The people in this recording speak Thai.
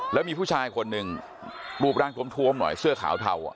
แล้วมีผู้ชายคนหนึ่งรูปร่างทวมหน่อยเสื้อขาวเทา